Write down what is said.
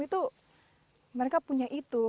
itu mereka punya itu